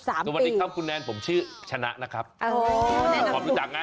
สวัสดีครับคุณแนนผมชื่อชนะนะครับแนะนำตัว